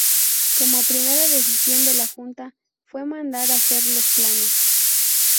Como primera decisión de la junta fue mandar hacer los planos.